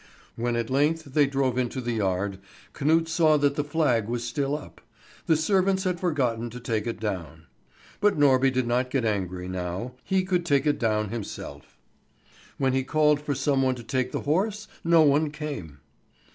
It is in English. When at length they drove into the yard, Knut saw that the flag was still up; the servants had forgotten to take it down. But Norby did not get angry now; he could take it down himself. When he called for some one to take the horse, no one came.